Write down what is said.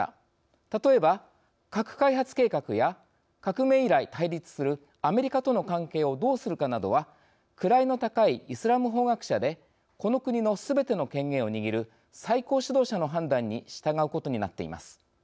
例えば、核開発計画や革命以来対立するアメリカとの関係をどうするかなどは位の高いイスラム法学者でこの国のすべての権限を握る最高指導者の判断に従うことになっています。